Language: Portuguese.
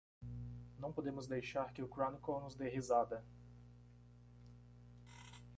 Não podemos deixar que o Chronicle nos dê risada!